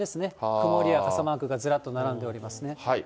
曇りや傘マークがずらっと並んでおりますね。